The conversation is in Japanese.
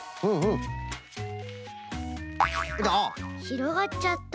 ひろがっちゃった。